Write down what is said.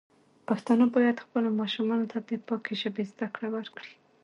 پښتانه بايد خپلو ماشومانو ته د پاکې ژبې زده کړه ورکړي.